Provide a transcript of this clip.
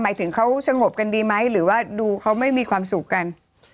ถึงเขาสงบกันดีไหมหรือว่าดูเขาไม่มีความสุขกัน